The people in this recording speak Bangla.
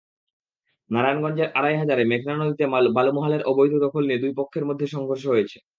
নারায়ণগঞ্জের আড়াইহাজারে মেঘনা নদীতে বালুমহালের অবৈধ দখল নিয়ে দুই পক্ষের মধ্যে সংঘর্ষ হয়েছে।